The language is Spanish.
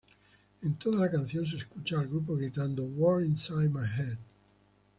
En toda la canción se escucha al grupo gritando ""War Inside My Head"".